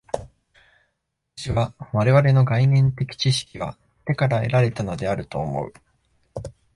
私は我々の概念的知識は手から得られたのであると思う。